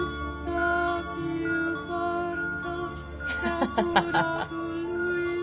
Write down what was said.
ハハハハ。